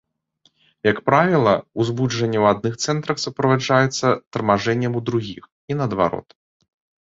Як правіла, узбуджэнне ў адных цэнтрах суправаджаецца тармажэннем у другіх, і наадварот.